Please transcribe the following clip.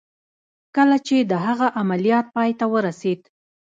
کله چې د هغه عملیات پای ته ورسېد